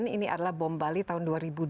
ini adalah bom bali tahun dua ribu dua puluh